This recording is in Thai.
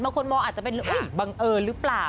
บางคนมองอาจจะเป็นเอ้ยบังเออรึเปล่า